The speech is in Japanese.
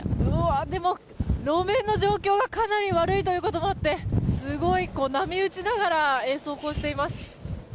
でも、路面の状況がかなり悪いということもあってすごい、波打ちながら走行しています。